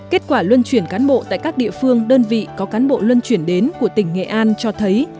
kết quả luân chuyển cán bộ tại các địa phương đơn vị có cán bộ luân chuyển đến của tỉnh nghệ an cho thấy